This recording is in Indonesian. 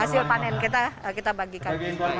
hasil panen kita bagikan